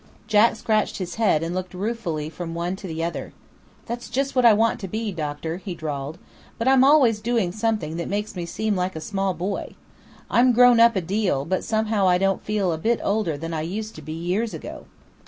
Jack scratched his head and looked ruefully from one to the other. "That's just what I want to be, doctor," he drawled; "but I'm always doing something that makes me seem like a small boy. I'm grown up a deal, but somehow I don't feel a bit older than I used to be years ago."